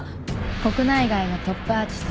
国内外のトップアーティストが出演。